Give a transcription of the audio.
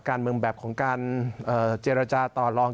การเมืองแบบของการเจรจาต่อลอง